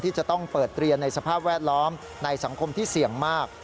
จะต้องเปิดเรียนในสภาพแวดล้อมในสังคมที่เสี่ยงมาก